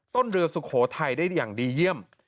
เรือสุโขทัยได้อย่างดีเยี่ยม